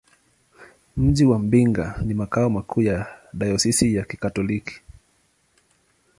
Mji wa Mbinga ni makao makuu ya dayosisi ya Kikatoliki.